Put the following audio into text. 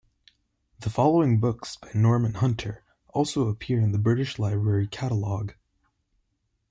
The following books by Norman Hunter also appear in the British Library catalogue.